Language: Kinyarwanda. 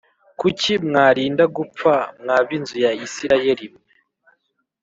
Kuki mwarinda gupfa, mwa b’inzu ya Isirayeli mwe?